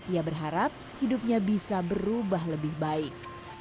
ia berharap hidupnya bisa berubah lebih baik